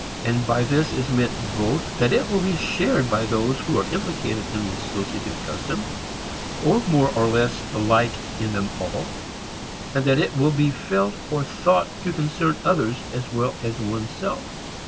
And by this is meant both that it will be shared by those who are implicated in the associative custom, or more or less alike in them all, and that it will be felt or thought to concern others as well as one's self.